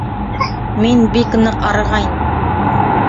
Мин бик ныҡ арығайным.